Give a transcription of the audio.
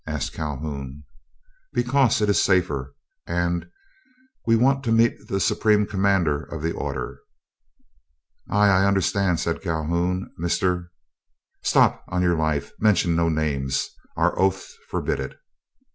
asked Calhoun. "Because it is safer, and—and we want to meet the Supreme Commander of the order." "Ah! I understand," said Calhoun. "Mr. —" "Stop; on your life mention no names! Our oaths forbid it."